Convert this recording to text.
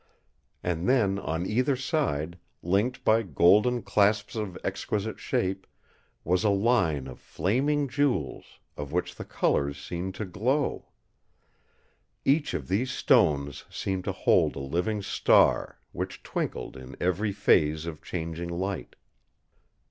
And then on either side, linked by golden clasps of exquisite shape, was a line of flaming jewels, of which the colours seemed to glow. Each of these stones seemed to hold a living star, which twinkled in every phase of changing light.